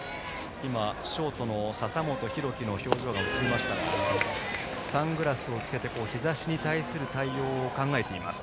ショートの笹本裕樹の表情が映りましたがサングラスをつけて日ざしに対する対応を考えています。